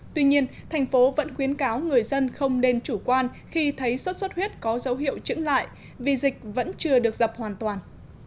tuy nhiên thành phố vẫn khuyến cáo người dân không nên chủ quan khi thấy sốt xuất huyết có dấu hiệu trứng lại vì dịch vẫn chưa được dập hoàn toàn